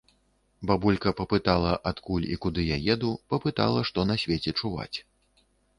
Бабулька папытала, адкуль і куды я еду, папытала, што на свеце чуваць.